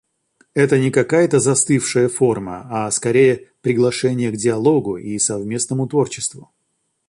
Это не какая-то застывшая форма, а, скорее, приглашение к диалогу и совместному творчеству.